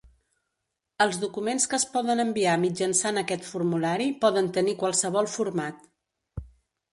Els documents que es poden enviar mitjançant aquest formulari poden tenir qualsevol format.